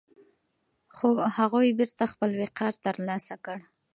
خو هغوی بېرته خپل وقار ترلاسه کړ.